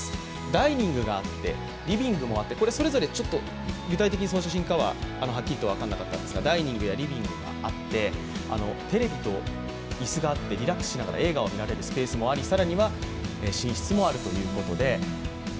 ダイニングがあって、リビングがあって、これはそれぞれ具体的にその写真かははっきり分からなかったんですが、ダイニングやリビングがあってテレビと椅子があって、リラックスしながら映画を見られる部屋があります。